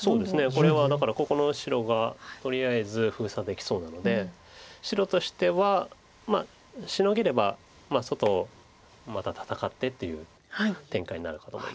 これはだからここの白がとりあえず封鎖できそうなので白としてはシノげれば外また戦ってという展開になるかと思います。